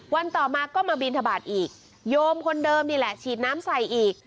ต่อมาก็มาบินทบาทอีกโยมคนเดิมนี่แหละฉีดน้ำใส่อีก